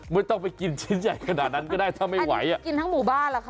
ไม่ต้องไปกินชิ้นใหญ่ขนาดนั้นก็ได้ครู